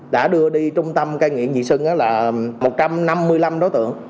đã đưa đi trung tâm cây nghiện dị sưng là một trăm năm mươi năm đối tượng